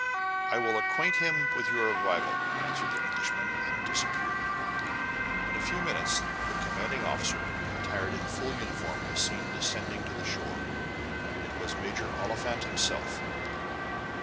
"I will acquaint him with your arrival," answered the Englishman, and disappeared. In a few minutes the commanding officer, attired in full uniform, was seen descending to the shore. It was Major Oliphant himself.